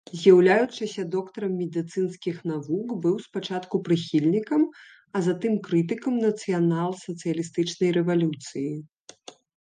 З'яўляючыся доктарам медыцынскіх навук, быў спачатку прыхільнікам, а затым крытыкам нацыянал-сацыялістычнай рэвалюцыі.